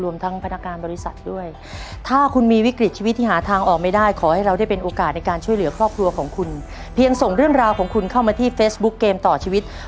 ว่าจะสามารถว้าเงินแสนกลับไปต่อลมหายใจกับครอบครัวได้หรือไม่